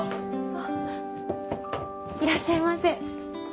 あっいらっしゃいませ